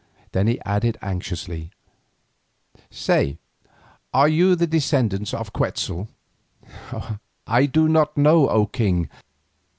Then he added anxiously, "Say, are you of the descendants of Quetzal?" "I do not know, O king.